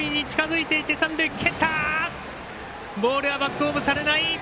ボールはバックホームされない。